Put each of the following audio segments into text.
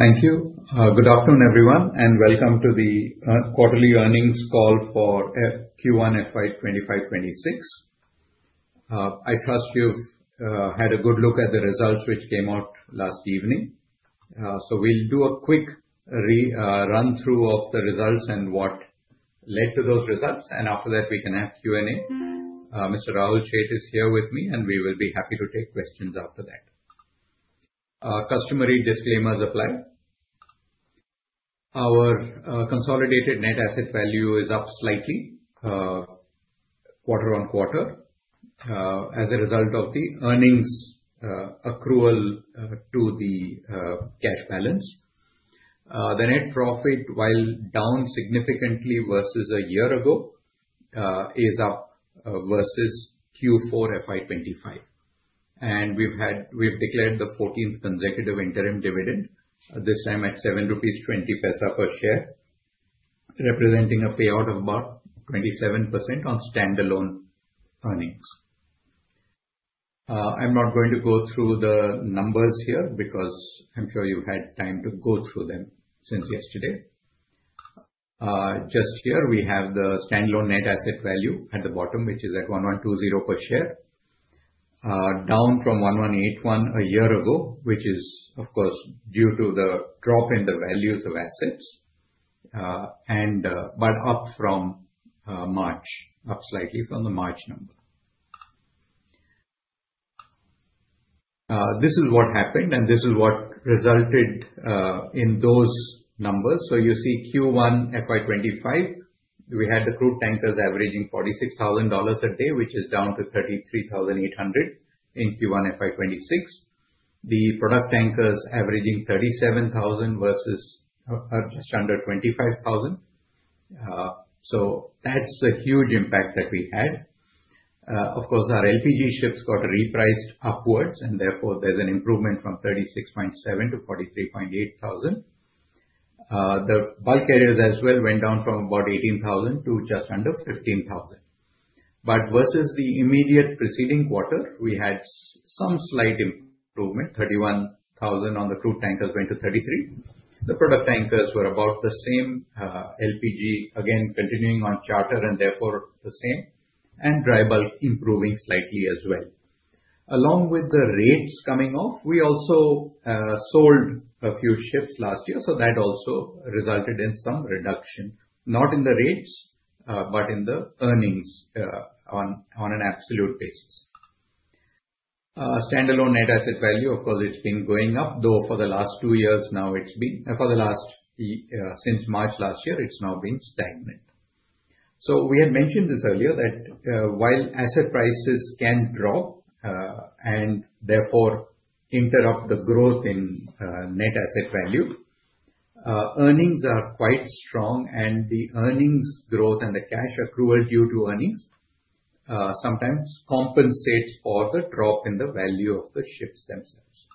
Thank you. Good afternoon, everyone, and welcome to the Quarterly Earnings Call for Q1 FY 2025-2026. I trust you've had a good look at the results which came out last evening. We'll do a quick run-through of the results and what led to those results, and after that, we can have Q&A. Mr. Rahul Sheth is here with me, and we will be happy to take questions after that. Customary disclaimers apply. Our consolidated net asset value is up slightly quarter on quarter as a result of the earnings accrual to the cash balance. The net profit, while down significantly versus a year ago, is up versus Q4 FY 2025. We've declared the 14th consecutive interim dividend, this time at 7.20 rupees per share, representing a payout of about 27% on standalone earnings. I'm not going to go through the numbers here because I'm sure you've had time to go through them since yesterday. Just here, we have the standalone net asset value at the bottom, which is at 1,120 per share, down from 1,181 a year ago, which is, of course, due to the drop in the values of assets, but up from March, up slightly from the March number. This is what happened, and this is what resulted in those numbers. You see Q1 FY 2025, we had the crude tankers averaging $46,000 a day, which is down to $33,800 in Q1 FY 2026. The product tankers averaging $37,000 versus just under $25,000. That's a huge impact that we had. Of course, our LPG ships got repriced upwards, and therefore, there's an improvement from $36,700 to $43,800. The bulk carriers as well went down from about $18,000 to just under $15,000. Versus the immediate preceding quarter, we had some slight improvement. $31,000 on the crude tankers went to $33,000. The product tankers were about the same. LPG, again, continuing on charter, and therefore, the same. Dry bulk improving slightly as well. Along with the rates coming off, we also sold a few ships last year, so that also resulted in some reduction, not in the rates, but in the earnings on an absolute basis. Standalone net asset value, of course, it's been going up, though for the last two years now it's been, since March last year, it's now been stagnant. We had mentioned this earlier, that while asset prices can drop and therefore interrupt the growth in net asset value, earnings are quite strong, and the earnings growth and the cash accrual due to earnings sometimes compensates for the drop in the value of the ships themselves.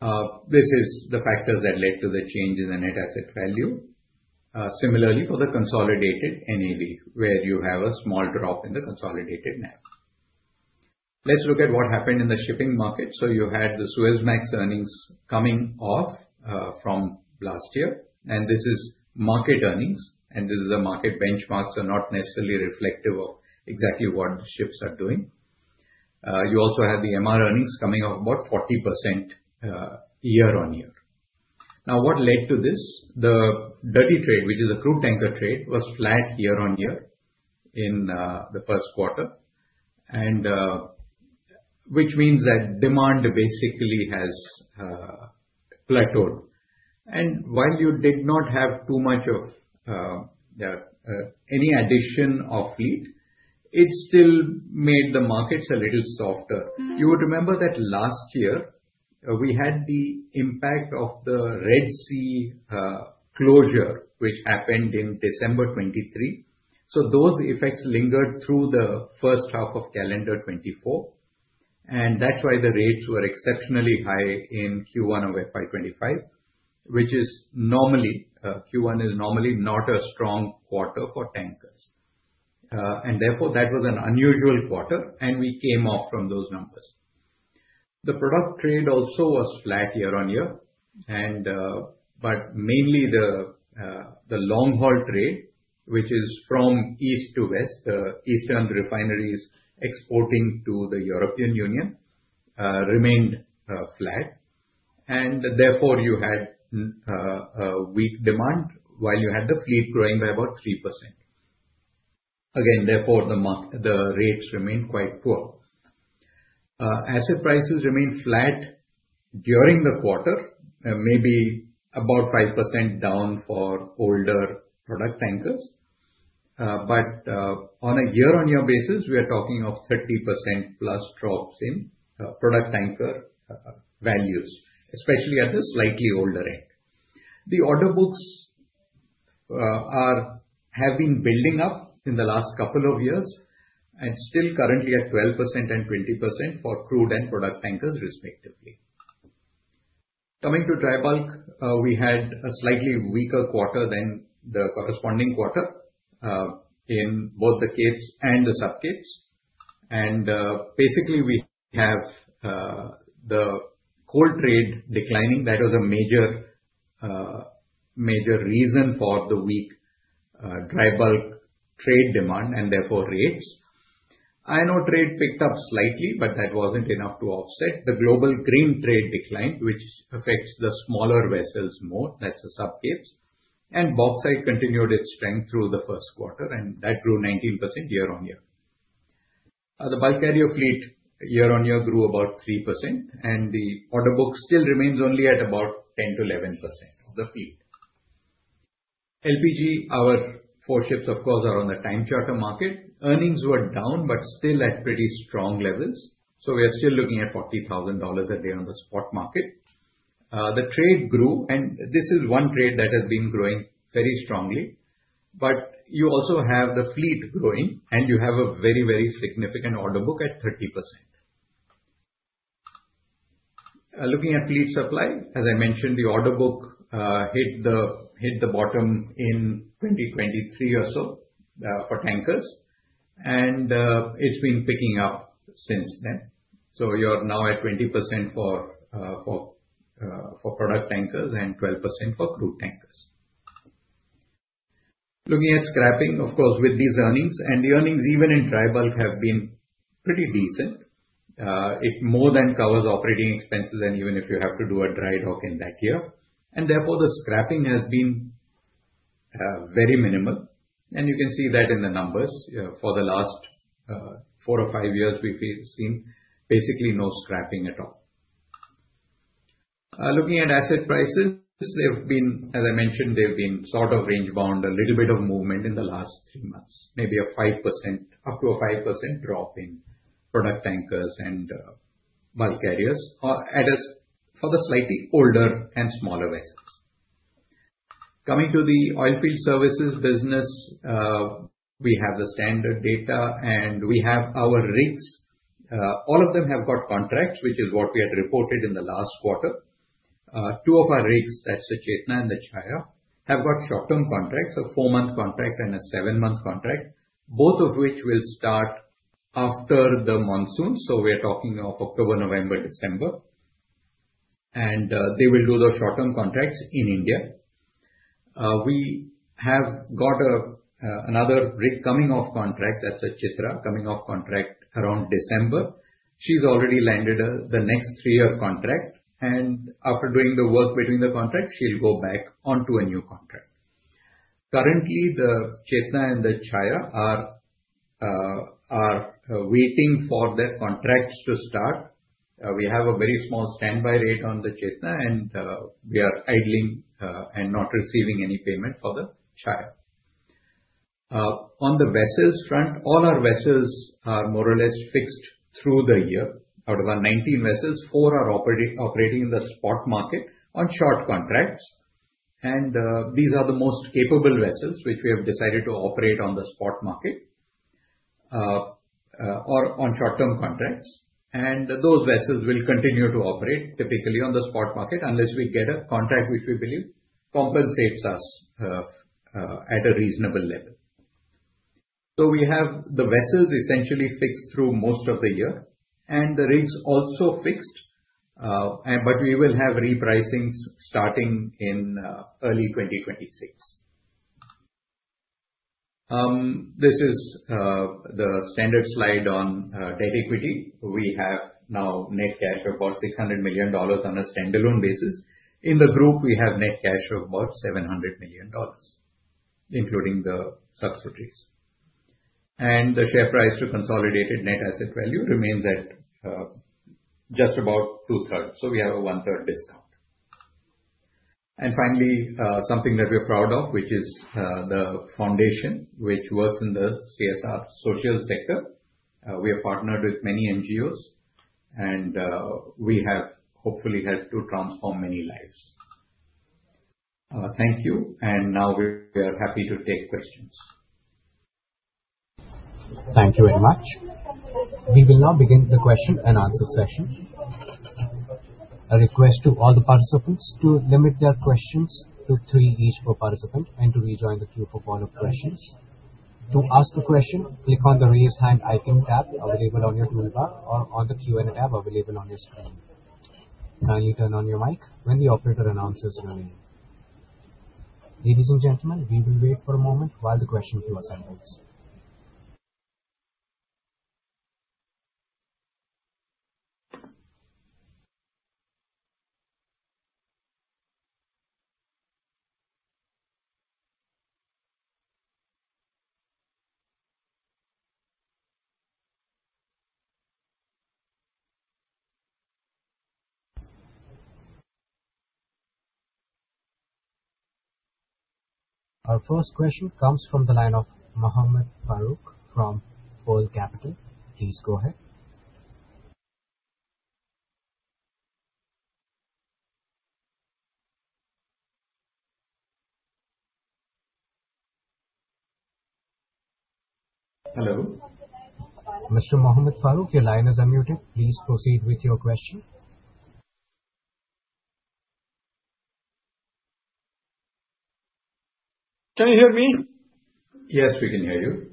These are the factors that led to the change in the net asset value. Similarly, for the consolidated net asset value, where you have a small drop in the consolidated net asset value. Let's look at what happened in the shipping market. You had the Suezmax earnings coming off from last year, and this is market earnings, and these are market benchmarks, so not necessarily reflective of exactly what the ships are doing. You also had the MR earnings coming off about 40% year-on-year. Now, what led to this? The dirty trade, which is the crude tanker trade, was flat year-on-year in the first quarter, which means that demand basically has plateaued. While you did not have too much of any addition of fleet, it still made the markets a little softer. You would remember that last year, we had the impact of the Red Sea closure, which happened in December 2023. Those effects lingered through the first half of calendar 2024, and that's why the rates were exceptionally high in Q1 of FY 2025, which is normally, Q1 is normally not a strong quarter for tankers. That was an unusual quarter, and we came off from those numbers. The product trade also was flat year-on-year, but mainly the long-haul trade, which is from east to west, the Eastern refineries exporting to the EU, remained flat. Therefore, you had weak demand while you had the fleet growing by about 3%. Again, the rates remained quite poor. Asset prices remained flat during the quarter, maybe about 5% down for older product tankers. On a year-on-year basis, we are talking of 30%+ drops in product tanker values, especially at the slightly older end. The order books have been building up in the last couple of years and still currently at 12% and 20% for crude and product tankers, respectively. Coming to dry bulk, we had a slightly weaker quarter than the corresponding quarter in both the Capes and the Supramaxes. Basically, we have the coal trade declining. That was a major reason for the weak dry bulk trade demand and therefore rates. Iron ore trade picked up slightly, but that wasn't enough to offset the global grain trade decline, which affects the smaller vessels more, that's the Supramaxes. Bauxite continued its strength through the first quarter, and that grew 19% year-on-year. The bulk carrier fleet year-on-year grew about 3%, and the order book still remains only at about 10%-11% of the fleet. LPG, our four ships, of course, are on the time charter market. Earnings were down, but still at pretty strong levels. We are still looking at $40,000 a day on the spot market. The trade grew, and this is one trade that has been growing very strongly. You also have the fleet growing, and you have a very, very significant order book at 30%. Looking at fleet supply, as I mentioned, the order book hit the bottom in 2023 or so for tankers, and it's been picking up since then. You're now at 20% for product tankers and 12% for crude tankers. Looking at scrapping, of course, with these earnings, and the earnings even in dry bulk have been pretty decent. It more than covers operating expenses, and even if you have to do a dry dock in that year. Therefore, the scrapping has been very minimal. You can see that in the numbers for the last four or five years, we've seen basically no scrapping at all. Looking at asset prices, as I mentioned, they've been sort of range-bound, a little bit of movement in the last three months, maybe a 5% drop in product tankers and bulk carriers for the slightly older and smaller vessels. Coming to the oilfield services business, we have the standard data, and we have our rigs. All of them have got contracts, which is what we had reported in the last quarter. Two of our rigs, that's the Chetna and the Chaaya, have got short-term contracts, a four-month contract and a seven-month contract, both of which will start after the monsoon. We're talking of October, November, December. They will do the short-term contracts in India. We have got another rig coming off contract, that's the Chitra, coming off contract around December. She's already landed the next three-year contract. After doing the work between the contracts, she'll go back onto a new contract. Currently, the Chetna and the Chaaya are waiting for their contracts to start. We have a very small standby rate on the Chetna, and we are idling and not receiving any payment for the Chaaya. On the vessels front, all our vessels are more or less fixed through the year. Out of our 19 vessels, four are operating in the spot market on short contracts. These are the most capable vessels, which we have decided to operate on the spot market or on short-term contracts. Those vessels will continue to operate typically on the spot market unless we get a contract which we believe compensates us at a reasonable level. We have the vessels essentially fixed through most of the year, and the rigs also fixed, but we will have repricings starting in early 2026. This is the standard slide on debt equity. We have now net cash of about $600 million on a standalone basis. In the group, we have net cash of about $700 million, including the subsidiaries. The share price to consolidated net asset value remains at just about two-thirds, so we have a one-third discount. Finally, something that we're proud of, which is the foundation which works in the CSR social sector. We have partnered with many NGOs, and we have hopefully helped to transform many lives. Thank you. Now we're happy to take questions. Thank you very much. We will now begin the question and answer session. A request to all the participants to limit their questions to three each per participant and to rejoin the queue for follow-up questions. To ask a question, click on the raise hand icon tab available on your toolbar or on the Q&A tab available on the screen. Now you turn on your mic when the operator announces your name. Ladies and gentlemen, we will wait for a moment while the questions will be handed. Our first question comes from the line of Mohammed Farooq from Pearl Capital. Please go ahead. Hello. Mr. Mohammed Farooq, your line is unmuted. Please proceed with your question. Can you hear me? Yes, we can hear you.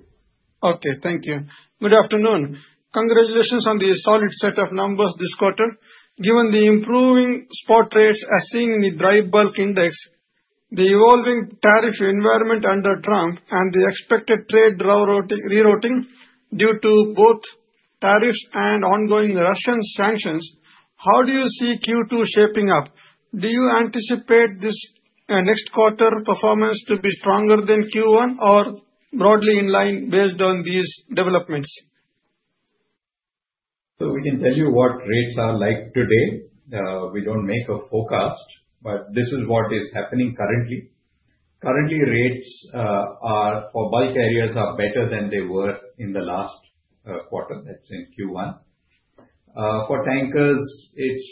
Okay, thank you. Good afternoon. Congratulations on the solid set of numbers this quarter. Given the improving spot rates as seen in the dry bulk index, the evolving tariff environment under Trump, and the expected trade rerouting due to both tariffs and ongoing Russian sanctions, how do you see Q2 shaping up? Do you anticipate this next quarter performance to be stronger than Q1, or broadly in line based on these developments? We can tell you what rates are like today. We don't make a forecast, but this is what is happening currently. Currently, rates for bulk carriers are better than they were in the last quarter. That's in Q1. For tankers, it's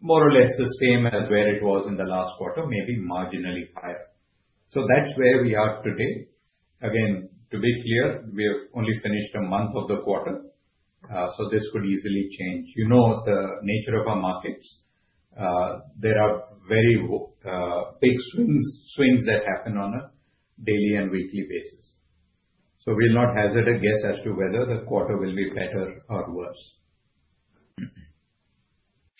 more or less the same as where it was in the last quarter, maybe marginally higher. That's where we are today. Again, to be clear, we've only finished a month of the quarter, so this could easily change. You know the nature of our markets. There are very big swings that happen on a daily and weekly basis. We'll not hazard a guess as to whether the quarter will be better or worse.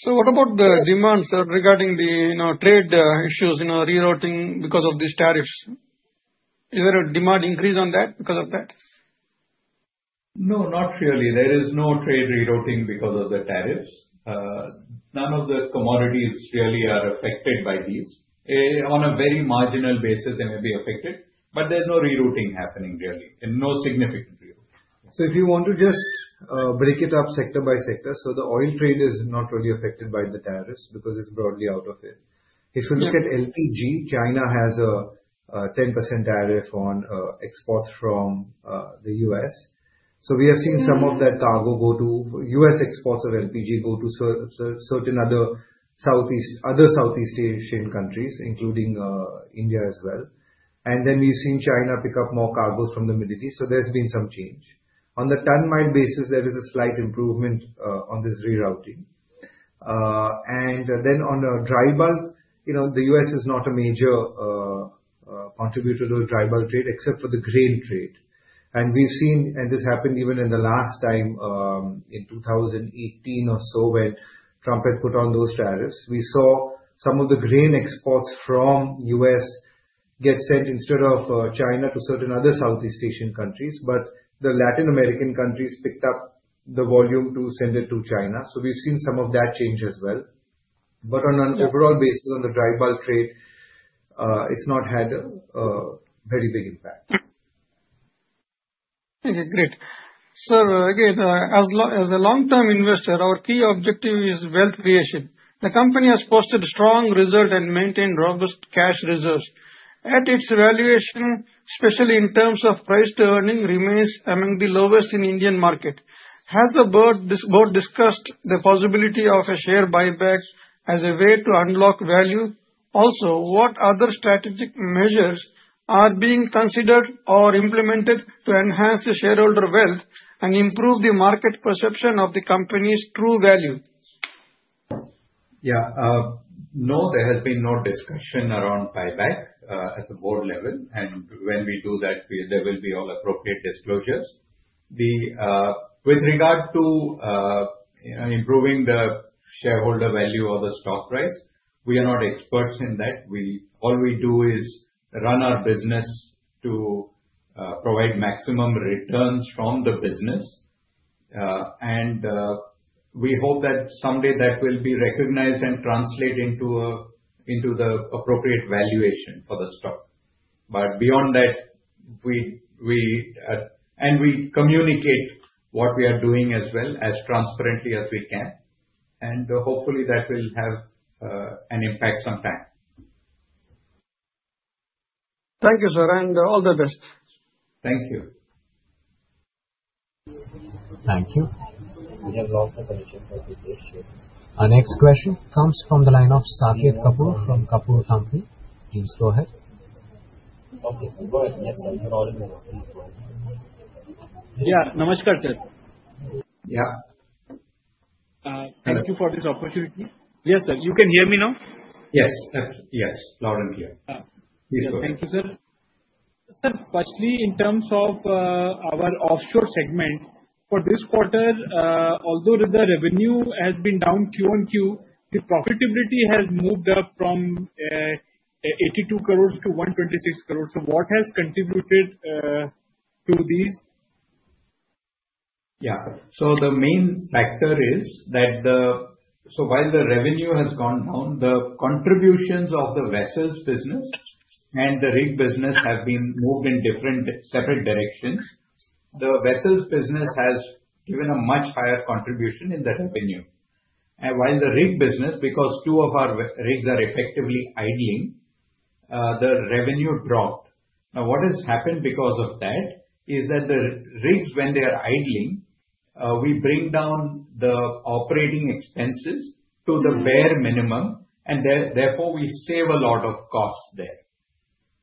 What about the demand, sir, regarding the trade issues rerouting because of these tariffs? Is there a demand increase on that because of that? No, not really. There is no trade rerouting because of the tariffs. None of the commodities really are affected by these. On a very marginal basis, they may be affected, but there's no rerouting happening really, and no significant rerouting. If you want to just break it up sector by sector, the oil trade is not really affected by the tariffs because it's broadly out of it. If you look at LPG, China has a 10% tariff on exports from the U.S. We have seen some of that cargo go to U.S. exports of LPG go to certain other Southeast Asian countries, including India as well. We've seen China pick up more cargo from the Middle East. There's been some change. On the tan mine basis, there is a slight improvement on this rerouting. On dry bulk, the U.S. is not a major contributor to the dry bulk trade except for the grain trade. This happened even in the last time in 2018 or so when Trump had put on those tariffs. We saw some of the grain exports from the U.S. get sent instead of China to certain other Southeast Asian countries, but the Latin American countries picked up the volume to send it to China. We've seen some of that change as well. On an overall basis, on the dry bulk trade, it's not had a very big impact. Okay, great. Sir, again, as a long-term investor, our key objective is wealth creation. The company has posted strong results and maintained robust cash reserves. Its valuation, especially in terms of price to earning, remains among the lowest in the Indian market. Has the board discussed the possibility of a share buyback as a way to unlock value? Also, what other strategic measures are being considered or implemented to enhance the shareholder wealth and improve the market perception of the company's true value? Yeah. No, there has been no discussion around buyback at the board level. When we do that, there will be all appropriate disclosures. With regard to improving the shareholder value or the stock price, we are not experts in that. All we do is run our business to provide maximum returns from the business. We hope that someday that will be recognized and translated into the appropriate valuation for the stock. Beyond that, we communicate what we are doing as well as transparently as we can. Hopefully, that will have an impact sometime. Thank you, sir, and all the best. Thank you. Thank you. Next question comes from the line of Saket Kapoor from Kapoor & Company. Please go ahead. Yeah, Namaskar, sir. Yeah. Thank you for this opportunity. Yes, sir, you can hear me now? Yes, yes, loud and clear. Thank you, sir. Firstly, in terms of our offshore segment for this quarter, although the revenue has been down quarter-on-quarter, the profitability has moved up from 82 crore to 126 crore. What has contributed to these? Yeah. The main factor is that while the revenue has gone down, the contributions of the vessels business and the rig business have moved in different separate directions. The vessels business has given a much higher contribution in the revenue. While the rig business, because two of our rigs are effectively idling, the revenue dropped. What has happened because of that is that the rigs, when they are idling, we bring down the operating expenses to the bare minimum, and therefore, we save a lot of costs there.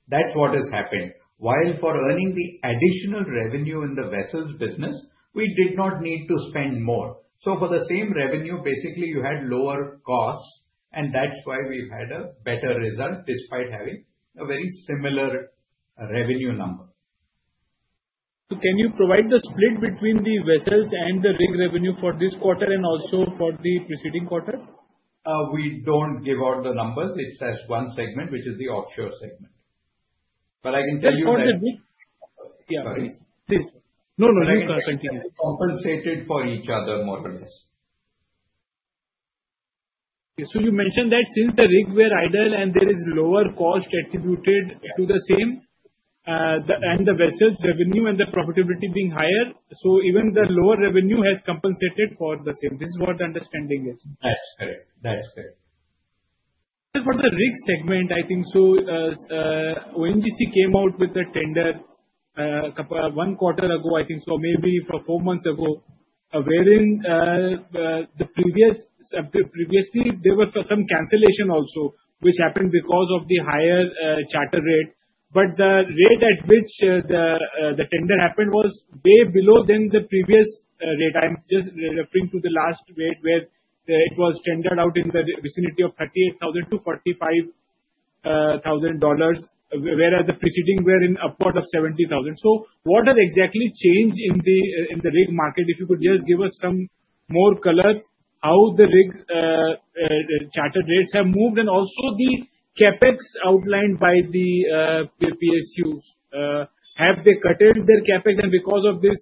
That's what has happened. For earning the additional revenue in the vessels business, we did not need to spend more. For the same revenue, basically, you had lower costs, and that's why we've had a better result despite having a very similar revenue number. Can you provide the split between the vessels and the rig revenue for this quarter and also for the preceding quarter? We don't give out the numbers. It's just one segment, which is the offshore segment. I can tell you that. Sorry. No, no, you can continue. Compensated for each other more or less. Yes, sir. You mentioned that since the rigs were idle and there is lower cost attributed to the same, and the vessels revenue and the profitability being higher, even the lower revenue has compensated for the same. This is what the understanding is. That is correct. That is correct. For the rig segment, I think ONGC came out with a tender one quarter ago, maybe four months ago, wherein previously there was some cancellation also, which happened because of the higher charter rate. The rate at which the tender happened was way below the previous rate. I'm just referring to the last rate where it was tendered out in the vicinity of $38,000-$45,000, whereas the preceding were in about $70,000. What has exactly changed in the rig market? If you could just give us some more color, how the rig charter rates have moved, and also the CapEx outlined by the PSUs, have they cut their CapEx? Because of this,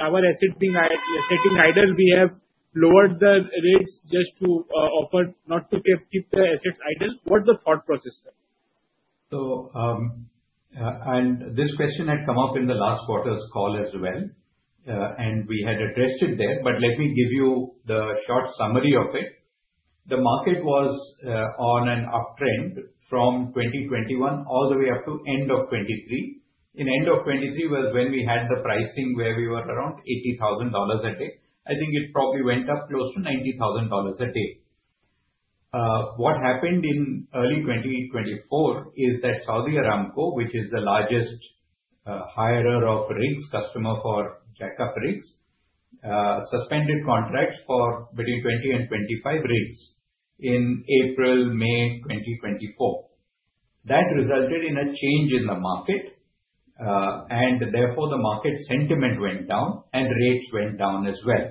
our assets being idle, we have lowered the rates just to offer not to keep the assets idle. What's the thought process there? This question had come up in the last quarter's call as well, and we had addressed it there, but let me give you the short summary of it. The market was on an uptrend from 2021 all the way up to the end of 2023. In the end of 2023 was when we had the pricing where we were around $80,000 a day. I think it probably went up close to $90,000 a day. What happened in early 2024 is that Saudi Aramco, which is the largest hirer of rigs, customer for jackup rigs, suspended contracts for between 20 and 25 rigs in April-May 2024. That resulted in a change in the market, and therefore, the market sentiment went down and rates went down as well.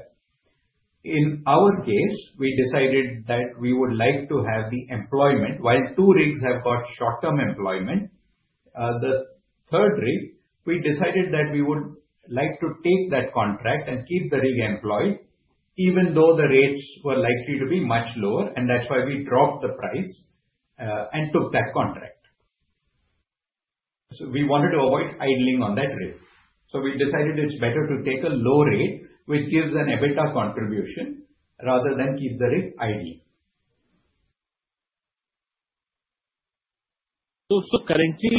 In our case, we decided that we would like to have the employment while two rigs have got short-term employment. The third rig, we decided that we would like to take that contract and keep the rig employed even though the rates were likely to be much lower, and that's why we dropped the price and took that contract. We wanted to avoid idling on that rig. We decided it's better to take a low rate, which gives an EBITDA contribution rather than keep the rig idling. Currently,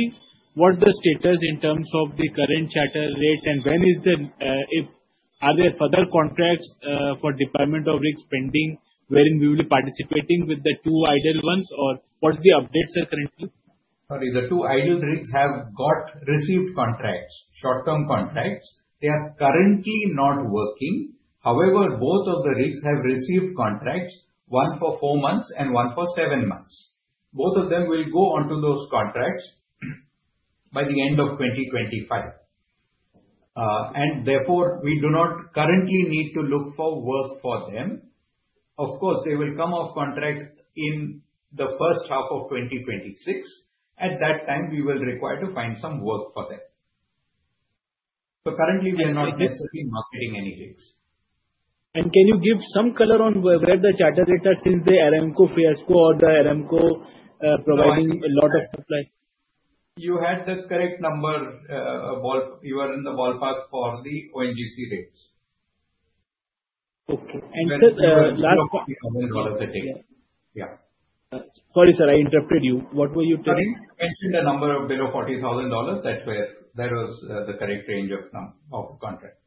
what's the status in terms of the current charter rates and when is the, if are there further contracts for deployment of rigs pending wherein we will be participating with the two idle ones or what's the updates that are currently? The two idle rigs have received contracts, short-term contracts. They are currently not working. However, both of the rigs have received contracts, one for four months and one for seven months. Both of them will go onto those contracts by the end of 2025. Therefore, we do not currently need to look for work for them. Of course, they will come off contract in the first half of 2026. At that time, we will require to find some work for them. Currently, we are not basically marketing any rigs. Can you give some color on where the charter rates are since the Aramco fiasco or the Aramco providing a lot of supply? You had the correct number. You are in the ballpark for the ONGC rates. Sir, last. Among one of the ticket. Yeah. Sorry, sir, I interrupted you. What were you telling? Catching the number of below $40,000, that's where that was the correct range of contracts.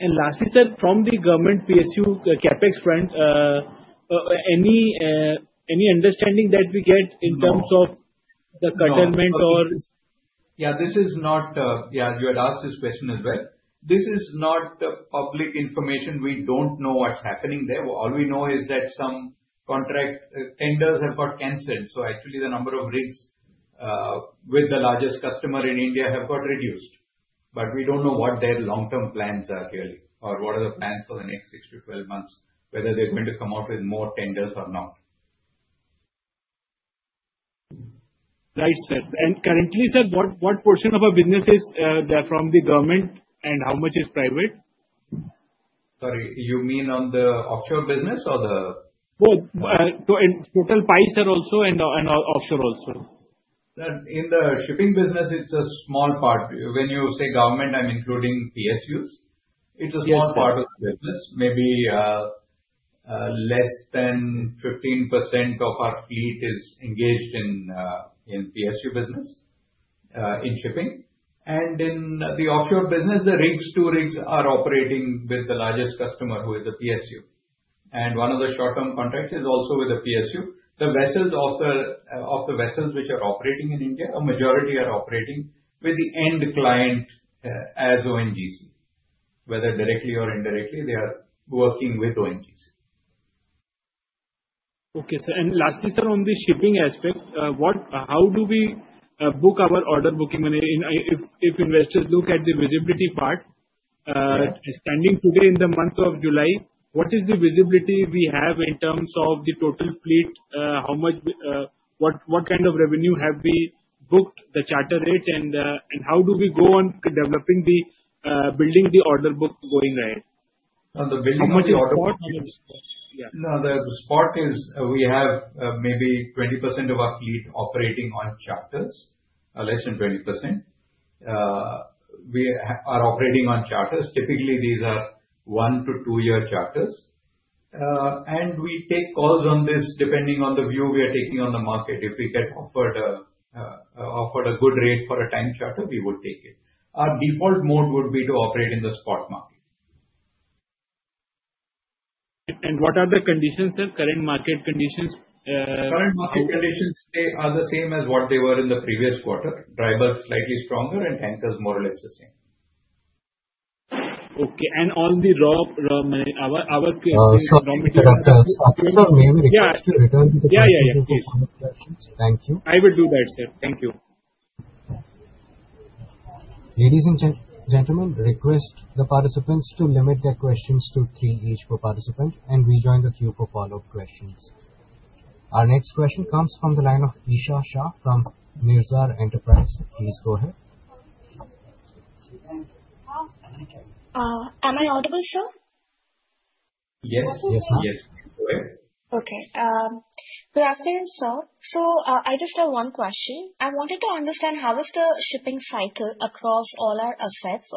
Lastly, sir, from the government PSU CapEx front, any understanding that we get in terms of the curtailment? This is not public information. We don't know what's happening there. All we know is that some contract tenders have got cancelled. Actually, the number of rigs with the largest customer in India have got reduced. We don't know what their long-term plans are clearly or what are the plans for the next 6-12 months, whether they're going to come out with more tenders or not. Right, sir. Currently, sir, what portion of our business is from the government and how much is private? Sorry, you mean on the offshore business or the? Both. Total pipes are also in offshore also. In the shipping business, it's a small part. When you say government, I'm including PSUs. It's a small part of the business. Maybe less than 15% of our fleet is engaged in the PSU business in shipping. In the offshore business, the rigs, two rigs are operating with the largest customer who is the PSU. One of the short-term contracts is also with the PSU. The vessels which are operating in India, a majority are operating with the end client as ONGC. Whether directly or indirectly, they are working with ONGC. Okay, sir. Lastly, sir, on the shipping aspect, how do we book our order booking? I mean, if investors look at the visibility part, standing today in the month of July, what is the visibility we have in terms of the total fleet? How much, what kind of revenue have we booked, the charter rates, and how do we go on developing the building the order book going ahead? On the building, how much order book? Yeah. Now, the spot is we have maybe 20% of our fleet operating on charters, less than 20%. We are operating on charters. Typically, these are 1-2 year charters, and we take calls on this depending on the view we are taking on the market. If we get offered a good rate for a tank charter, we would take it. Our default mode would be to operate in the spot market. What are the conditions, sir, current market conditions? Current market conditions are the same as what they were in the previous quarter. Dry bulk slightly stronger, and tankers more or less the same. Okay. On the raw, our case is... Yeah, yeah. Thank you. I will do that, sir. Thank you. Ladies and gentlemen, request the participants to limit their questions to three each per participant and rejoin the queue for follow-up questions. Our next question comes from the line of Isha Shah from Nirzar Enterprise. Please go ahead. Am I audible, sir? Yes, yes, yes. Good afternoon, sir. I just have one question. I wanted to understand how is the shipping cycle across all our assets,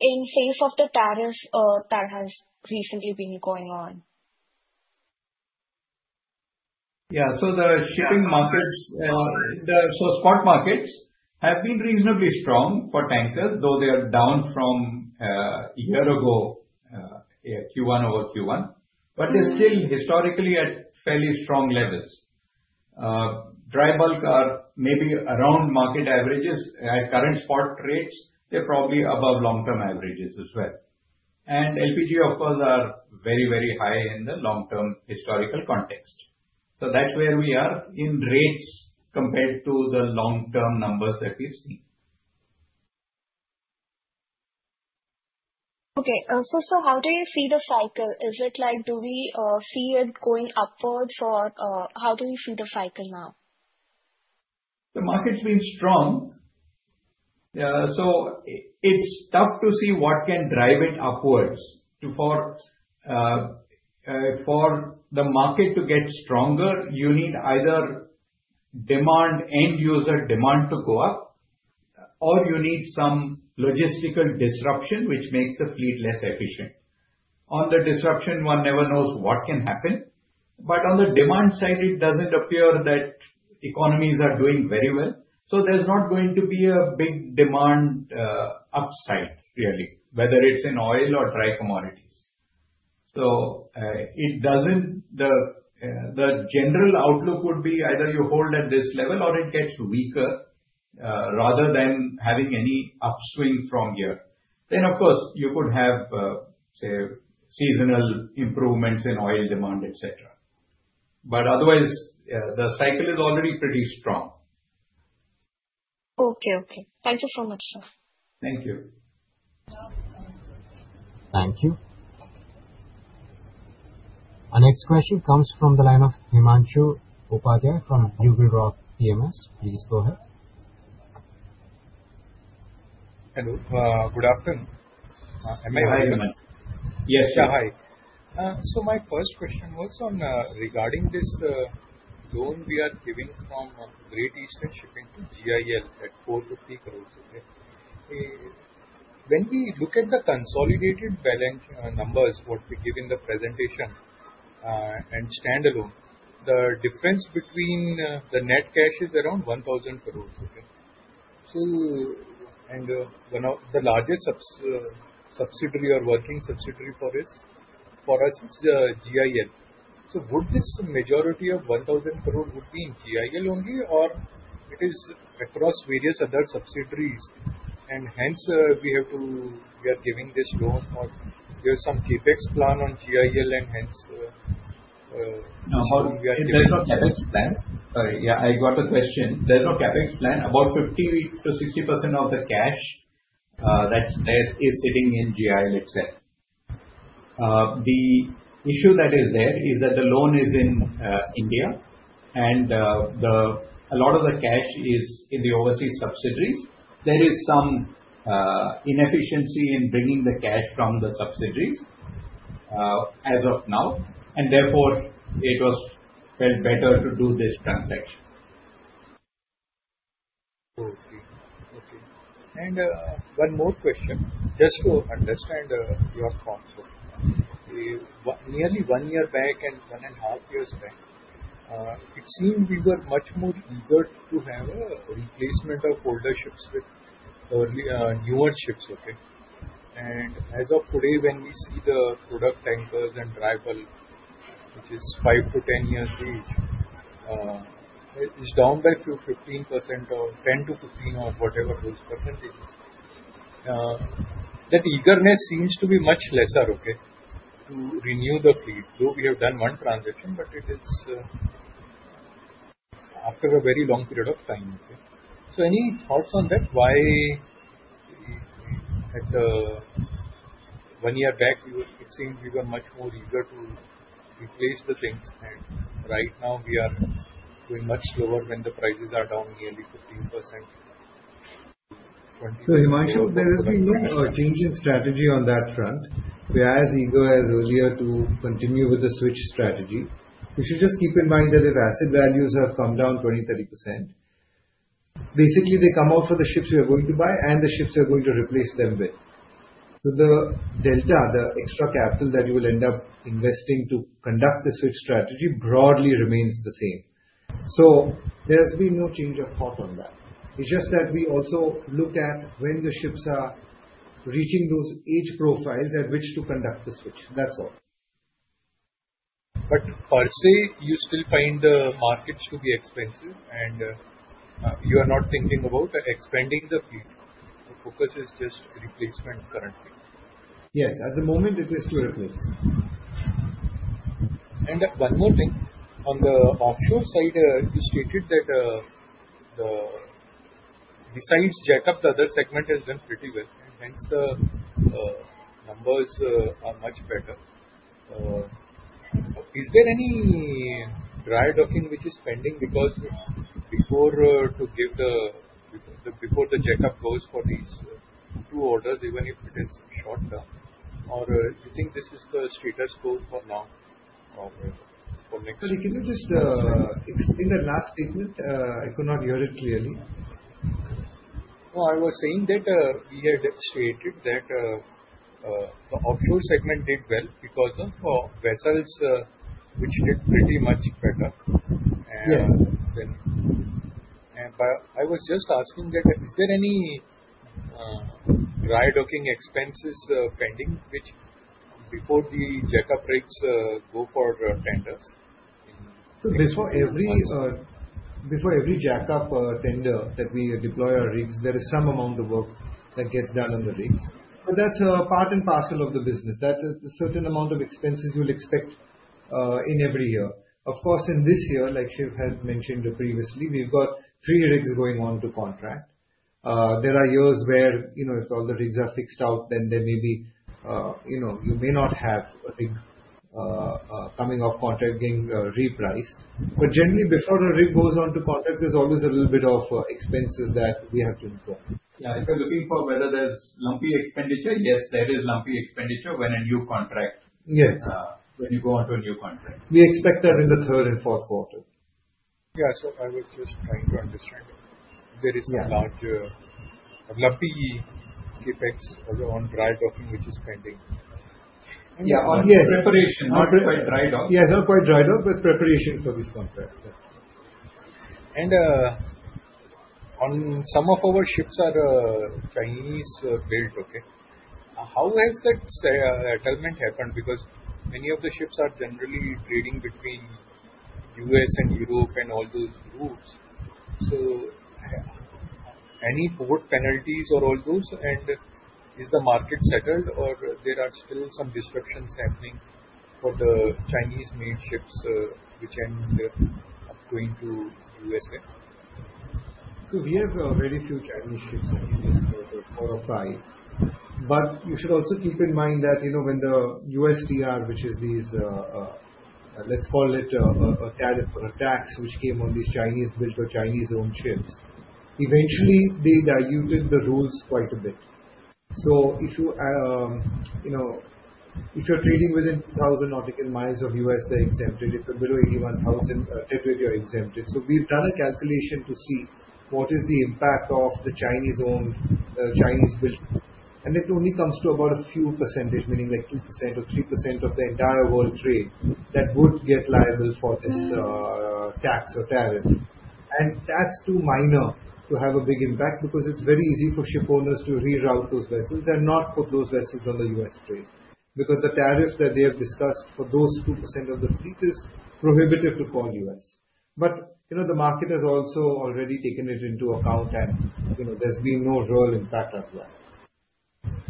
in case of the tariffs that have recently been going on? Yeah. The shipping markets, spot markets have been reasonably strong for tankers, though they are down from a year ago, Q1 over Q1. They're still historically at fairly strong levels. Dry bulk are maybe around market averages. At current spot rates, they're probably above long-term averages as well. LPG offers are very, very high in the long-term historical context. That's where we are in rates compared to the long-term numbers that we've seen. How do you see the cycle? Is it like do we see it going upwards or how do you see the cycle now? The market's been strong. It's tough to see what can drive it upwards. For the market to get stronger, you need either demand, end-user demand to go up, or you need some logistical disruption, which makes the fleet less efficient. On the disruption, one never knows what can happen. On the demand side, it doesn't appear that economies are doing very well. There's not going to be a big demand upside really, whether it's in oil or dry commodities. The general outlook would be either you hold at this level or it gets weaker rather than having any upswing from here. Of course, you could have, say, seasonal improvements in oil demand, etc. Otherwise, the cycle is already pretty strong. Okay, okay. Thank you so much, sir. Thank you. Thank you. Our next question comes from the line of Himanshu Upadhyay from BugleRock PMS. Please go ahead. Hello, good afternoon. Hi, Himanshu. Yes, sir, hi. My first question was regarding this zone we are giving from Great Eastern Shipping Company Ltd to GIL at 450 crore. When we look at the consolidated balance numbers, what we give in the presentation and standalone, the difference between the net cash is around 1,000 crore. The largest subsidiary or working subsidiary for us is GIL. Would this majority of 1,000 crore be in GIL only or is it across various other subsidiaries? We are giving this zone or there's some CapEx plan on GIL and hence. There's no CapEx plan. Sorry, yeah, I got a question. There's no CapEx plan. About 50%-60% of the cash that is sitting in GIL, let's say. The issue that is there is that the loan is in India, and a lot of the cash is in the overseas subsidiaries. There is some inefficiency in bringing the cash from the subsidiaries as of now. Therefore, it was felt better to do this transaction. Okay. And one more question, just to understand your thoughts for you. Nearly one year back and one and a half years back, it seemed we were much more eager to have a replacement of older ships with newer ships. As of today, when we see the product tankers and dry bulk, which is five to ten years age, it's down by 15% or 10%-15% or whatever those percentages. That eagerness seems to be much lesser to renew the fleet, though we have done one transaction, but it is after a very long period of time. Any thoughts on that? Why at one year back, it seemed we were much more eager to replace the things, and right now we are going much slower when the prices are down nearly 15%? Himanshu, there has been no change in strategy on that front. We are as eager as earlier to continue with the switch strategy. We should just keep in mind that if asset values have come down 20%-30%, basically they come out for the ships we are going to buy and the ships we are going to replace them with. The delta, the extra capital that you will end up investing to conduct the switch strategy broadly remains the same. There has been no change of thought on that. We also look at when the ships are reaching those age profiles at which to conduct the switch. That's all. I'd say you still find the markets to be expensive and you are not thinking about expanding the fleet. The focus is just replacement currently. Yes, at the moment it is to replace. One more thing. On the offshore side, you stated that the resize jackup to other segments has done pretty well, and hence the numbers are much better. Is there any dry docking which is pending? Because before the jackup goes for these two orders, even if it is short term, or do you think this is the status quo for now or for next? Can you just explain the last statement? I could not hear it clearly. Oh, I was saying that we had demonstrated that the offshore segment did well. It wasn't for vessels, which did pretty much better. I was just asking that is there any dry docking expenses pending before the jackup rigs go for tenders? Before every jackup tender that we deploy our rigs, there is some amount of work that gets done on the rigs. That's a part and parcel of the business. That's a certain amount of expenses you'll expect in every year. Of course, in this year, like Shiv had mentioned previously, we've got three rigs going on to contract. There are years where, if all the rigs are fixed out, there may be, you may not have a rig coming off contract, getting repriced. Generally, before a rig goes on to contract, there's always a little bit of expenses that we have to incur. Yeah, if you're looking for whether there's lumpy expenditure, yes, there is lumpy expenditure when a new contract. Yes. When you go on to a new contract. We expect that in the third and fourth quarter, I was just trying to understand if there is not a lumpy CapEx on dry docking which is pending. Yeah, or preparation for dry dock. Yes, or for dry dock with preparation for this contract. On some of our ships are Chinese built. How has that settlement happened? Many of the ships are generally trading between the U.S. and Europe and all those rules. Any forward penalties or all those? Is the market settled or are there still some disruptions happening for the Chinese-made ships which end up going to the U.S.A.? We have very few Chinese ships on the core of our eye. You should also keep in mind that when the USDR, which is, let's call it a tax which came on these Chinese-built or Chinese-owned ships, eventually they diluted the rules quite a bit. If you're trading within 1,000 nautical miles of the U.S., they're exempted. If you're below 81,000, the territory is exempted. We've done a calculation to see what is the impact of the Chinese-owned, Chinese-built. It only comes to about a few percentage, meaning like 2% or 3% of the entire world trade that would get liable for this tax or tariff. That's too minor to have a big impact because it's very easy for shipowners to reroute those vessels and not put those vessels on the U.S. freight. The tariff that they have discussed for those 2% of the fleet is prohibitive to the poor U.S. The market has also already taken it into account and there's been no real impact as well.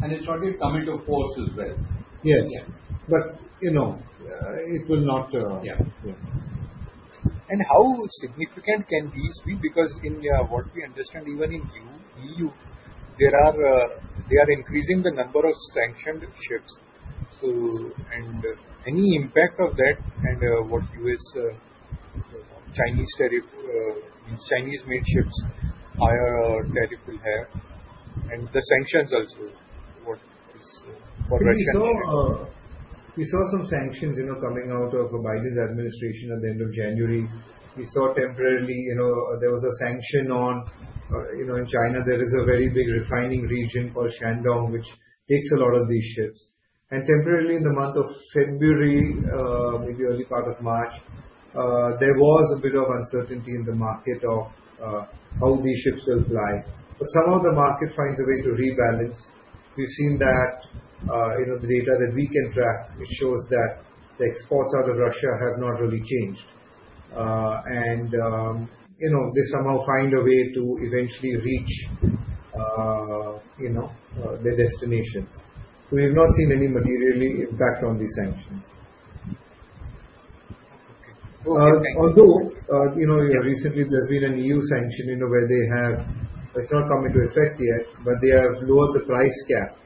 It has already come into force as well. Yes, but, you know, it will not. Yeah. How significant can these be? In what we understand, even in the EU, they are increasing the number of sanctioned ships. Is there any impact of that, and what impact will the Chinese-made ships' higher tariff have? The sanctions also. We saw some sanctions coming out of Biden's administration at the end of January. We saw temporarily there was a sanction on, in China, there is a very big refining region called Shandong, which takes a lot of these ships. Temporarily in the month of February, maybe early part of March, there was a bit of uncertainty in the market of how these ships will fly. Somehow the market finds a way to rebalance. We've seen that the data that we can track shows that the exports out of Russia have not really changed, and they somehow find a way to eventually reach their destinations. We have not seen any material impact from these sanctions. Although recently there's been an EU sanction, it has not come into effect yet, but they have lowered the price cap.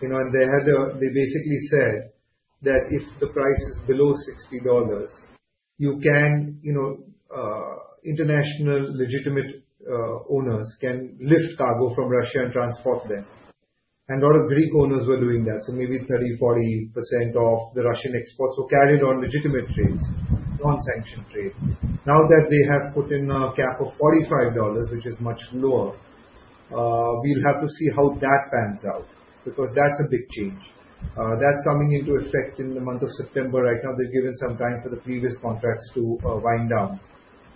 They basically said that if the price is below $60, international legitimate owners can lift cargo from Russia and transport them. A lot of Greek owners were doing that. Maybe 30%-40% of the Russian exports were carried on legitimate trades, non-sanctioned trades. Now that they have put in a cap of $45, which is much lower, we'll have to see how that pans out because that's a big change. That's coming into effect in the month of September right now. They've given some time for the previous contracts to wind down.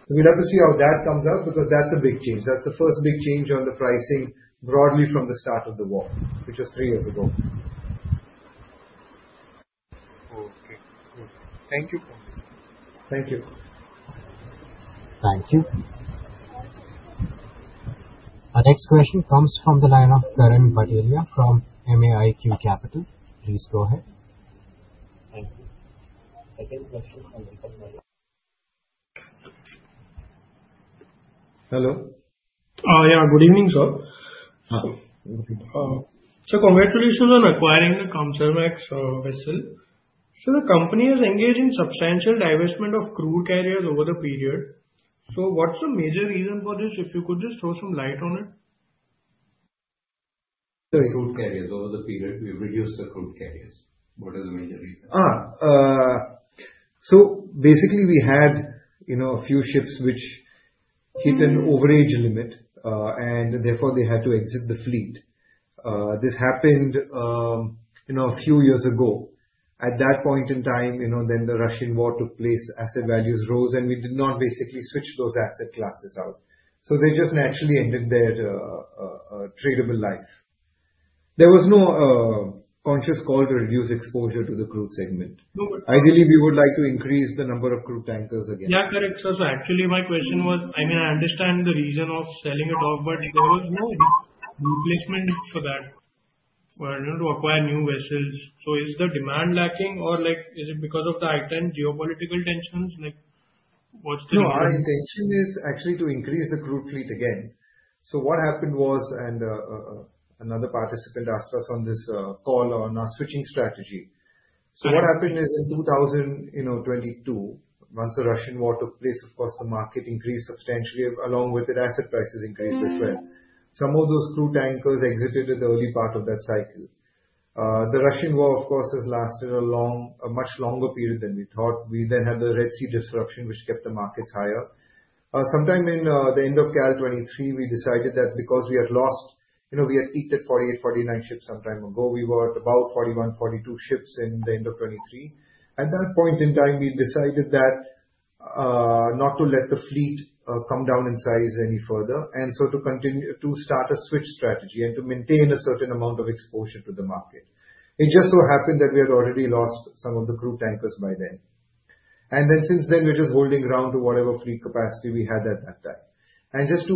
We'll have to see how that comes out because that's a big change. That's the first big change on the pricing broadly from the start of the war, which was three years ago. Thank you, sir. Thank you. Thank you. Our next question comes from the line of Karan Bhatelia from MAIQ Capital. Please go ahead. Thank you. Hello. Yeah, good evening, sir. Sir, congratulations on acquiring the Kamsarmax vessel. Sir, the company has engaged in substantial divestment of crude tankers over the period. What's the major reason for this? If you could just throw some light on it. Crude carriers, over the period we've reduced the crude carriers. What is the major reason? We had a few ships which hit an overage limit and therefore they had to exit the fleet. This happened a few years ago. At that point in time, the Russian war took place, asset values rose, and we did not switch those asset classes out. They just naturally ended their tradable life. There was no conscious call to reduce exposure to the crude segment. Ideally, we would like to increase the number of crude tankers again. Yeah, correct. Actually, my question was, I understand the reason of selling it off, but there was no replacement for that, you know, to acquire new vessels. Is the demand lacking, or is it because of the heightened geopolitical tensions? What's the? No, our intention is actually to increase the crude fleet again. What happened was, and another participant asked us on this call on our switching strategy. What happened is in 2022, once the Russian war took place, of course, the market increased substantially. Along with it, asset prices increased as well. Some of those crude tankers exited at the early part of that cycle. The Russian war, of course, has lasted a much longer period than we thought. We then had the Red Sea disruption, which kept the markets higher. Sometime in the end of calendar 2023, we decided that because we had lost, you know, we had peaked at 48, 49 ships sometime ago. We were at about 41, 42 ships in the end of 2023. At that point in time, we decided not to let the fleet come down in size any further. To continue to start a switch strategy and to maintain a certain amount of exposure to the market. It just so happened that we had already lost some of the crude tankers by then. Since then, we're just holding ground to whatever fleet capacity we had at that time. Just to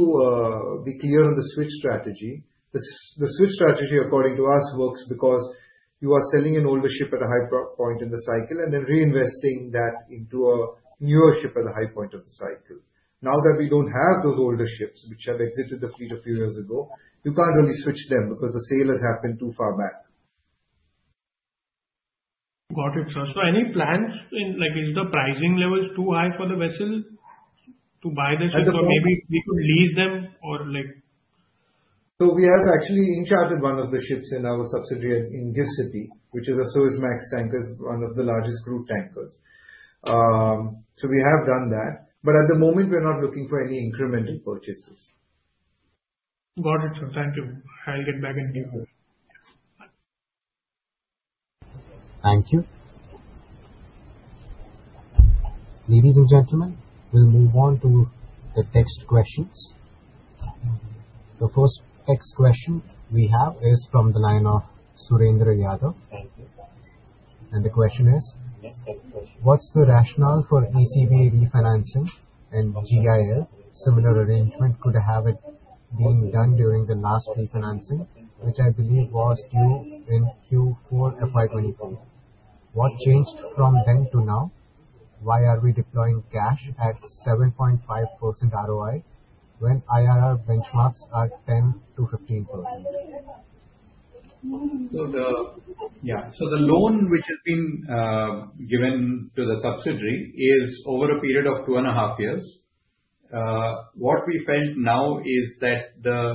be clear on the switch strategy, the switch strategy, according to us, works because you are selling an older ship at a high point in the cycle and then reinvesting that into a newer ship at the high point of the cycle. Now that we don't have those older ships, which have exited the fleet a few years ago, you can't really switch them because the sale had happened too far back. Got it, sir. Are there any plans, like, is the pricing level too high for the vessel to buy the ship, or maybe we could lease them? We have actually in-chartered one of the ships in our subsidiary in Greatship, which is a Suezmax tanker, one of the largest crude tankers. We have done that, but at the moment, we're not looking for any incremental purchases. Got it, sir. Thank you. I'll get back and give you. Thank you. Ladies and gentlemen, we'll move on to the text questions. The first text question we have is from the line of Surendra Yadav. The question is, what's the rationale for receiving refinancing in GIL? Similar arrangement could have been done during the last refinancing, which I believe was due in Q4 FY 2024. What changed from then to now? Why are we deploying cash at 7.5% ROI when IRR benchmarks are 10%-15%? Yeah, so the loan which has been given to the subsidiary is over a period of two and a half years. What we felt now is that the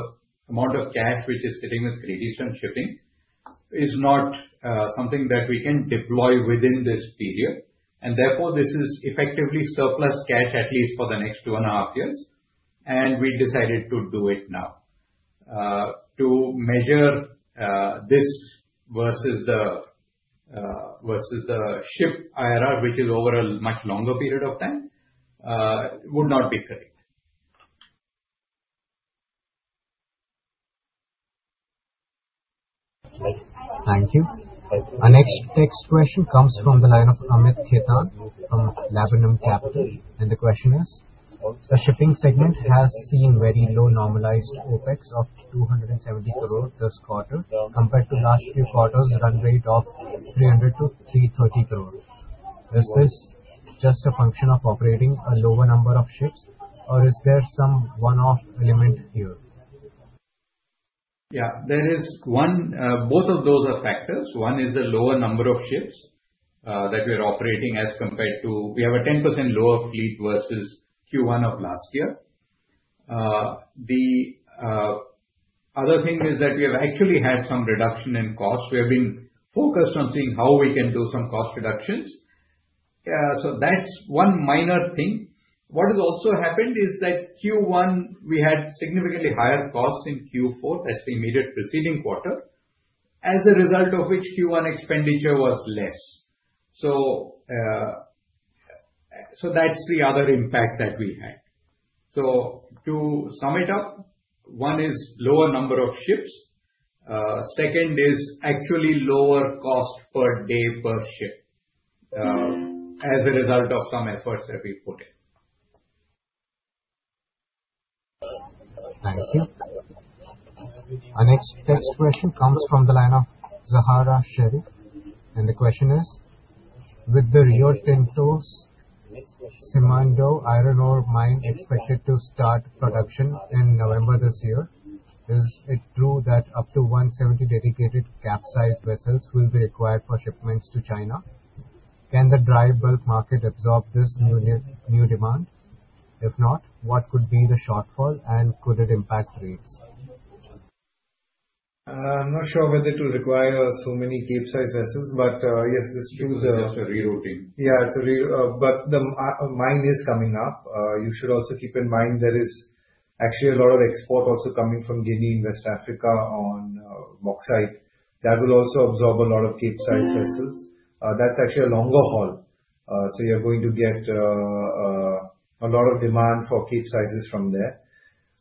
amount of cash which is sitting with Great Eastern Shipping Company Ltd is not something that we can deploy within this period. Therefore, this is effectively surplus cash at least for the next two and a half years. We decided to do it now. To measure this versus the ship IRR, which is over a much longer period of time, would not be fair. Thank you. Our next text question comes from the line of Amit Khetan from Laburnum Capital. The question is, the shipping segment has seen very low normalized OpEx of 270 crore this quarter compared to the last few quarters running at the top 300 crore-330 crore. Is this just a function of operating a lower number of ships or is there some one-off element here? Yeah, there is one. Both of those are factors. One is a lower number of ships that we are operating as compared to. We have a 10% lower fleet versus Q1 of last year. The other thing is that we have actually had some reduction in cost. We have been focused on seeing how we can do some cost reductions. That's one minor thing. What has also happened is that Q1, we had significantly higher costs in Q4 as the immediate preceding quarter, as a result of which Q1 expenditure was less. That's the other impact that we had. To sum it up, one is lower number of ships. Second is actually lower cost per day per ship as a result of some efforts that we put in. Thank you. Our next text question comes from the line of Zahara Sherif. The question is, with the Rio Tinto's Simandou Iron Ore Mine expected to start production in November this year, is it true that up to 170 dedicated Capesize vessels will be required for shipments to China? Can the dry bulk market absorb this new demand? If not, what could be the shortfall and could it impact rates? I'm not sure whether it will require so many Capesize vessels, but yes, it's true. It's Great Eastern. Yeah, it's a Rio, but the mine is coming up. You should also keep in mind there is actually a lot of export also coming from Guinea in West Africa on bauxite. That will also absorb a lot of Capesize vessels. That's actually a longer haul. You're going to get a lot of demand for Capesizes from there.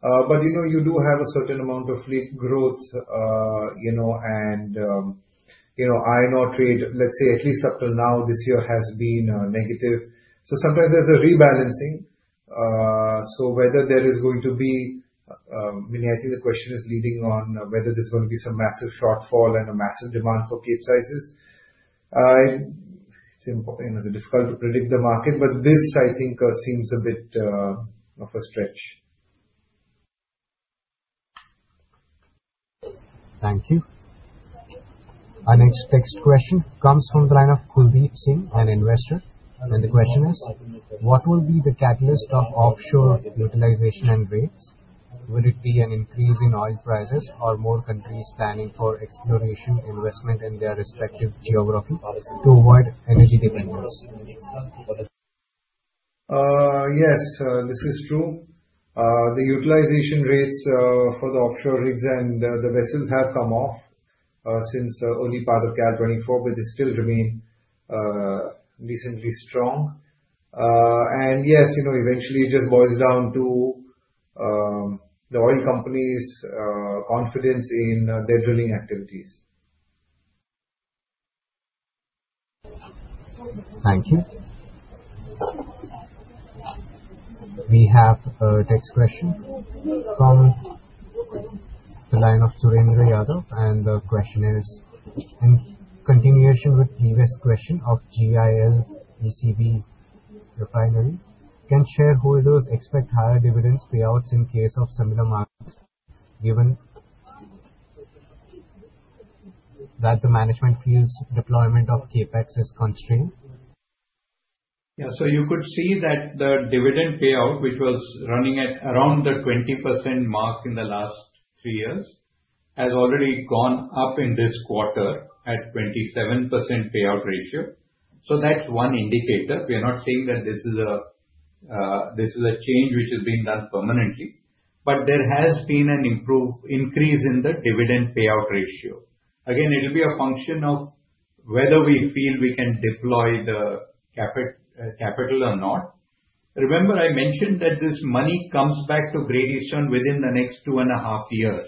You do have a certain amount of fleet growth, and iron ore trade, let's say at least up till now this year, has been negative. Sometimes there's a rebalancing. Whether there is going to be, I think the question is leading on whether there's going to be some massive shortfall and a massive demand for Capesizes. It's important. It's difficult to predict the market, but this I think seems a bit of a stretch. Thank you. Our next text question comes from the line of Kuldeep Singh, an investor. The question is, what will be the catalyst of offshore utilization and rates? Will it be an increase in oil prices or more countries planning for exploration investment in their respective geographies to avoid energy dependence? Yes, this is true. The utilization rates for the offshore rigs and the vessels have come off since only part of calendar 2024, but it still remains decently strong. Yes, you know, eventually it just boils down to the oil companies' confidence in their drilling activities. Thank you. We have a text question from the line of Surendra Yadav. The question is, in continuation with the previous question of GIL ECB refinancing, can shareholders expect higher dividend payouts in case of similar markets given that the management feels deployment of CapEx is constrained? Yeah, you could see that the dividend payout, which was running at around the 20% mark in the last three years, has already gone up in this quarter at a 27% payout ratio. That's one indicator. We are not saying that this is a change which has been done permanently, but there has been an increase in the dividend payout ratio. Again, it'll be a function of whether we feel we can deploy the capital or not. Remember, I mentioned that this money comes back to Great Eastern Shipping Company Ltd within the next two and a half years.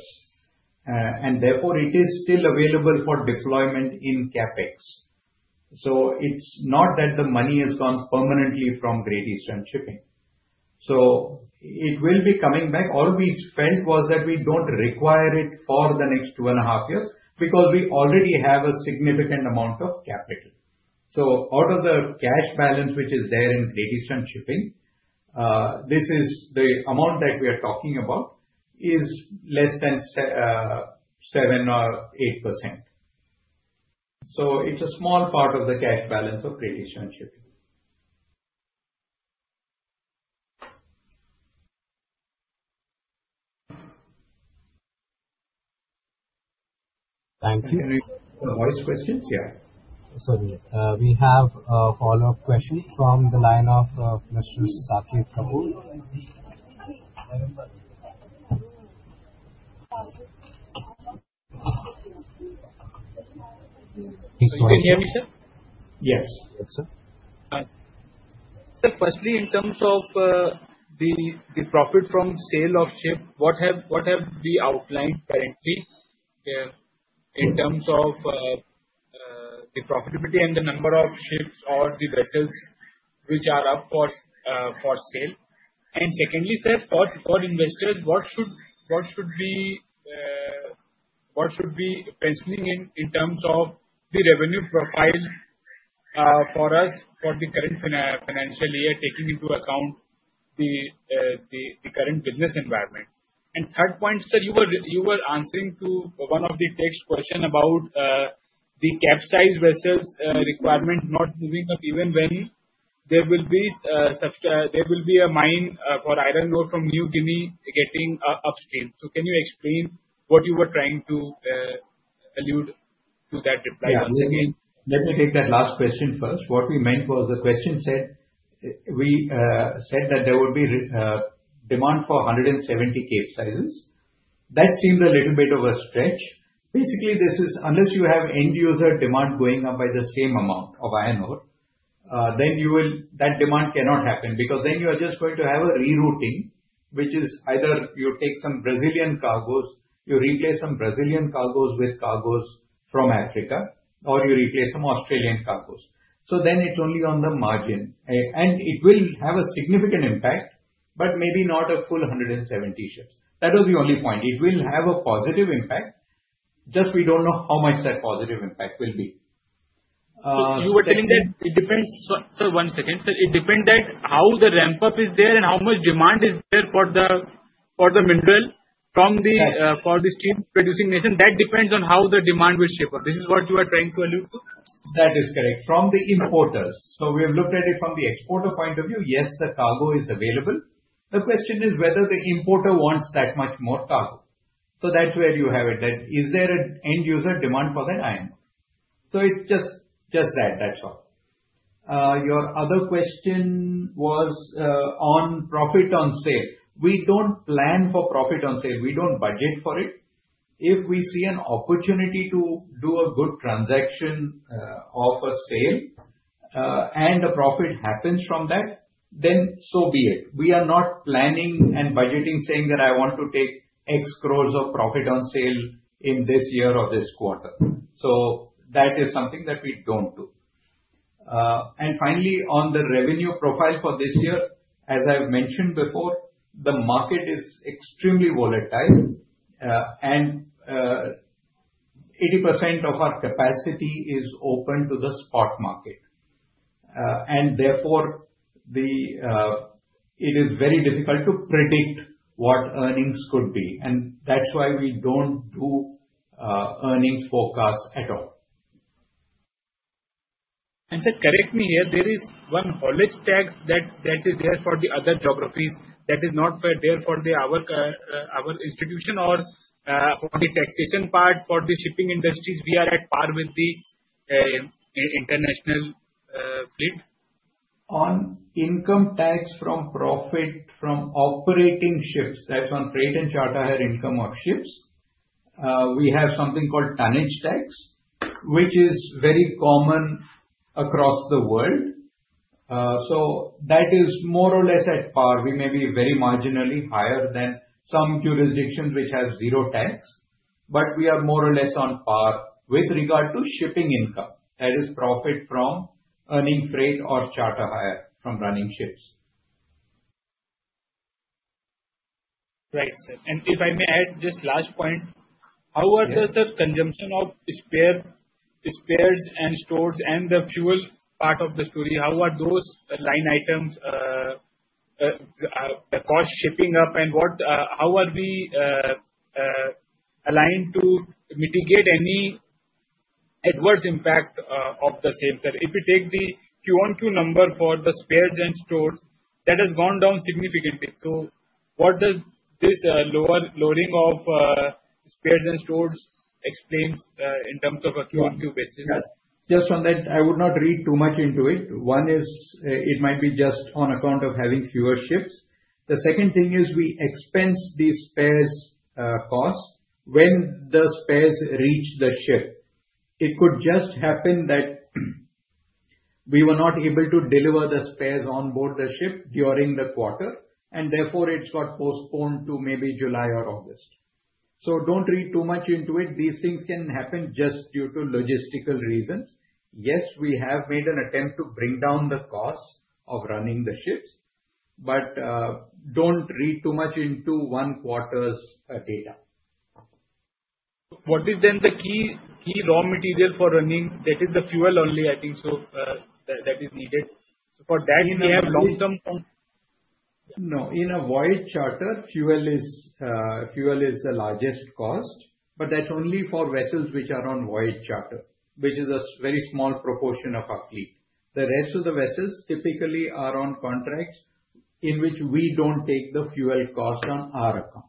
Therefore, it is still available for deployment in CapEx. It's not that the money has gone permanently from Great Eastern Shipping Company Ltd. It will be coming back. All we spent was that we don't require it for the next two and a half years because we already have a significant amount of capital. Out of the cash balance which is there in Great Eastern Shipping Company Ltd, the amount that we are talking about is less than 7%-8%. It's a small part of the cash balance of Great Eastern Shipping Company Ltd. Thank you. Any other voice questions? Yeah. Sorry, we have a follow-up question from the line of Mr. Saket Kapoor. Can you hear me, sir? Yes, sir. Sir, firstly, in terms of the profit from sale of ship, what have we outlined currently in terms of the profitability and the number of ships or the vessels which are up for sale? Secondly, sir, for investors, what should we be penciling in in terms of the revenue profile for us for the current financial year, taking into account the current business environment? Third point, sir, you were answering to one of the text questions about the capsized vessels requirement not moving up even when there will be a mine for iron ore from New Guinea getting upscaled. Can you explain what you were trying to allude to in that reply? Let me take that last question first. What we meant was the question said we said that there would be demand for 170 Capesizes. That seemed a little bit of a stretch. Basically, this is unless you have end-user demand going up by the same amount of iron ore, that demand cannot happen because you are just going to have a rerouting, which is either you take some Brazilian cargos, you replace some Brazilian cargos with cargos from Africa, or you replace some Australian cargos. It is only on the margin. It will have a significant impact, but maybe not a full 170 ships. That was the only point. It will have a positive impact. We just don't know how much that positive impact will be. You were saying that it depends, sir, one second. Sir, it depends on how the ramp-up is there and how much demand is there for the mineral from the steel-producing nation. That depends on how the demand will shape up. This is what you are trying to allude to? That is correct. From the importers. We have looked at it from the exporter point of view. Yes, the cargo is available. The question is whether the importer wants that much more cargo. That is where you have it. Is there an end-user demand for that iron? It is just that. That is all. Your other question was on profit on sale. We do not plan for profit on sale. We do not budget for it. If we see an opportunity to do a good transaction of a sale and the profit happens from that, then so be it. We are not planning and budgeting saying that I want to take X crores of profit on sale in this year or this quarter. That is something that we do not do. Finally, on the revenue profile for this year, as I have mentioned before, the market is extremely volatile. 80% of our capacity is open to the spot market. Therefore, it is very difficult to predict what earnings could be. That is why we do not do earnings forecasts at all. Sir, correct me here, there is one knowledge tax that is there for the other geographies that is not there for our institution or for the taxation part, for the shipping industries. We are at par with the international. On income tax from profit from operating ships, that's on freight and charter income of ships, we have something called tonnage tax, which is very common across the world. That is more or less at par. We may be very marginally higher than some jurisdictions which have zero tax, but we are more or less on par with regard to shipping income. That is profit from earning freight or charter hire from running ships. Right, sir. If I may add just a last point, how are the consumption of spares and stores and the fuel part of the story? How are those line items cost shaping up and how are we aligned to mitigate any adverse impact of the sales? If you take the QoQ number for the spares and stores, that has gone down significantly. What does this lower loading of spares and stores explain in terms of a QoQ basis? I would not read too much into it. One is it might be just on account of having fewer ships. The second thing is we expense these spares costs when the spares reach the ship. It could just happen that we were not able to deliver the spares on board the ship during the quarter, and therefore it got postponed to maybe July or August. Do not read too much into it. These things can happen just due to logistical reasons. Yes, we have made an attempt to bring down the cost of running the ships, but do not read too much into one quarter's data. What is then the key raw material for running? That is the fuel only, I think, so that is needed. For that, we have long-term cost. No, in a voyage charter, fuel is the largest cost, but that's only for vessels which are on voyage charter, which is a very small proportion of our fleet. The rest of the vessels typically are on contracts in which we do not take the fuel cost on our account.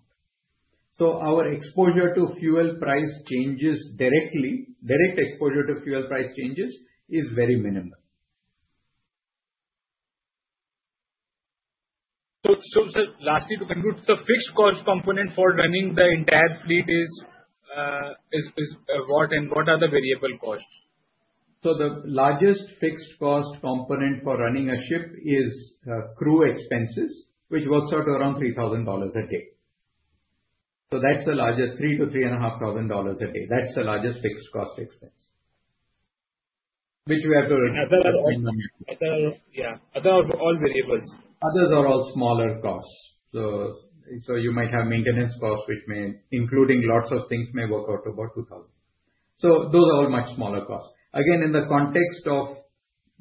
Our exposure to fuel price changes directly, direct exposure to fuel price changes is very minimal. Sir, lastly, to conclude, the fixed cost component for running the entire fleet is what, and what are the variable costs? The largest fixed cost component for running a ship is crew expenses, which works out to around $3,000 a day. That's the largest, $3,000-$3,500 a day. That's the largest fixed cost expense. Which we have to recognize. Yeah, other all variables. Others are all smaller costs. You might have maintenance costs, which may include lots of things, and may work out to about $2,000. Those are all much smaller costs. In the context of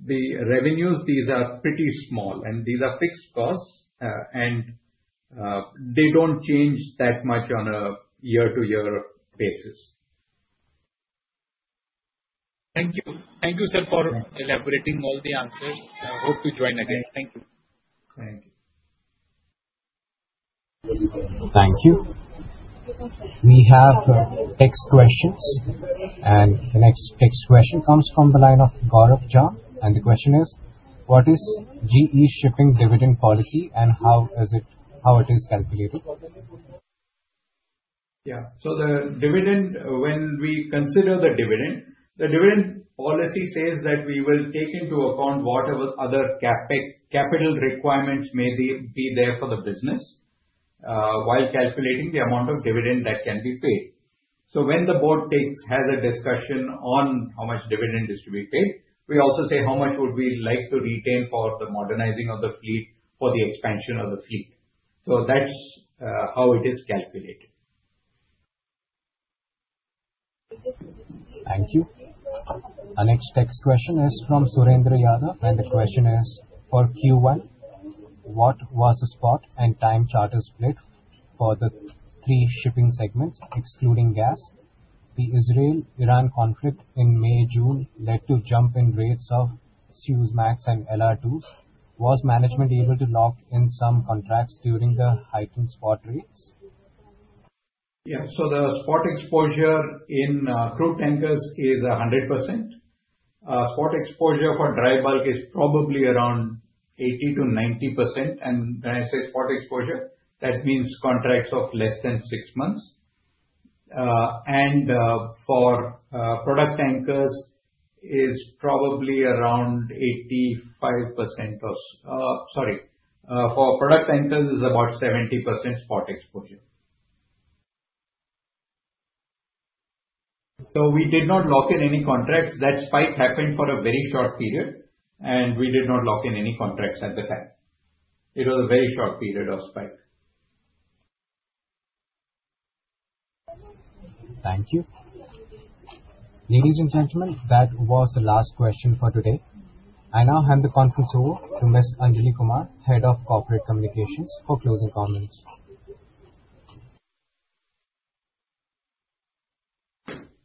the revenues, these are pretty small and these are fixed costs, and they don't change that much on a year-to-year basis. Thank you. Thank you, sir, for elaborating all the answers. I hope to join again. Thank you. Thank you. Thank you. We have next questions. The next question comes from the line of Gaurav Jha. The question is, what is Great Eastern Shipping Company Ltd dividend policy and how is it calculated? Yeah, so the dividend, when we consider the dividend, the dividend policy says that we will take into account whatever other capital requirements may be there for the business while calculating the amount of dividend that can be paid. When the board has a discussion on how much dividend is to be paid, we also say how much would we like to retain for the modernizing of the fleet, for the expansion of the fleet. That's how it is calculated. Thank you. Our next text question is from Surendra Yadav. The question is, for Q1, what was the spot and time charter split for the three shipping segments, excluding gas? The Israel-Iran conflict in May-June led to a jump in rates of Suezmax and LR2. Was management able to lock in some contracts during the heightened spot rates? Yeah, the spot exposure in crude tankers is 100%. Spot exposure for dry bulk is probably around 80%-90%. When I say spot exposure, that means contracts of less than six months. For product tankers, it's probably around 85%. Sorry, for product tankers, it's about 70% spot exposure. We did not lock in any contracts. That spike happened for a very short period, and we did not lock in any contracts at the time. It was a very short period of spike. Thank you. Ladies and gentlemen, that was the last question for today. I now hand the conference over to Ms. Anjali Kumar, Head of Corporate Communications, for closing comments.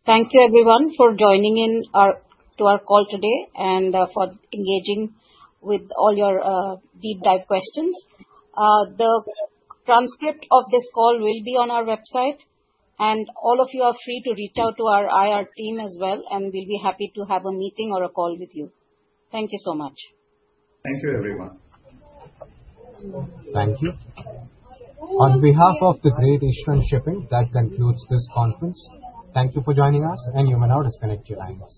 Thank you, everyone, for joining in our call today and for engaging with all your deep dive questions. The transcript of this call will be on our website. You are free to reach out to our IR team as well. We will be happy to have a meeting or a call with you. Thank you so much. Thank you, everyone. Thank you. On behalf of Great Eastern Shipping Company Ltd, that concludes this conference. Thank you for joining us and you may now disconnect your lines.